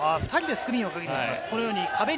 ２人でスクリーンをかけていきます。